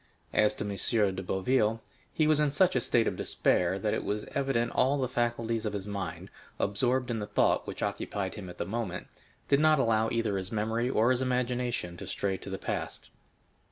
As to M. de Boville, he was in such a state of despair, that it was evident all the faculties of his mind, absorbed in the thought which occupied him at the moment, did not allow either his memory or his imagination to stray to the past.